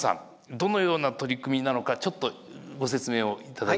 どのような取り組みなのかちょっとご説明を頂いていますか？